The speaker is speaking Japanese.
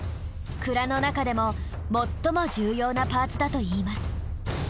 鞍の中でも最も重要なパーツだといいます。